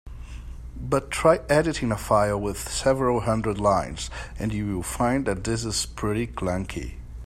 But try editing a file with several hundred lines, and you'll find that this is pretty clunky.